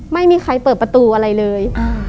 ไม่มีใครเปิดประตูอะไรเลย